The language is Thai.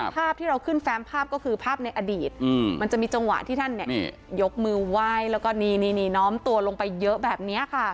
ภาพที่เราขึ้นแฟมภาพก็คือภาพในอดีตมันจะมีจังหวะที่ท่านยกมือไหว้แล้วก็นี่น้อมตัวลงไปเยอะแบบนี้ค่ะ